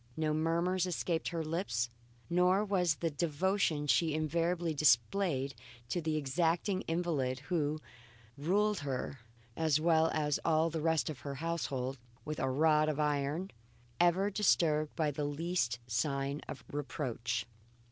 No murmurs escaped her lips, nor was the devotion she invariably displayed to the exacting invalid who ruled her as well as all the rest of her household with a rod of iron ever disturbed by the least sign of reproach.